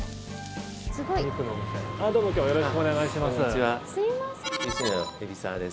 どうも今日はよろしくお願いします。